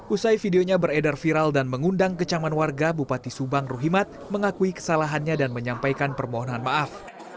usai videonya beredar viral dan mengundang kecaman warga bupati subang ruhimad mengakui kesalahannya dan menyampaikan permohonan maaf